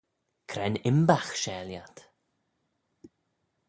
Cre'n imbagh share lhiat?